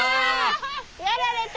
やられた！